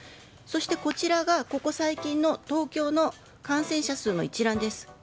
そしてこちらが、ここ最近の東京の感染者数の一覧です。